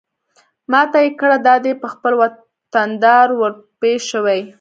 ما ته يې کړه دا دى په خپل وطندار ورپېښ شوې.